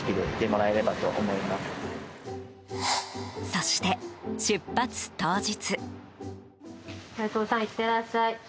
そして、出発当日。